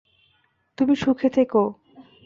তুমি সুখে থেকো।